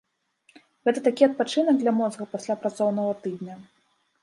Гэта такі адпачынак для мозга пасля працоўнага тыдня.